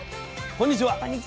こんにちは。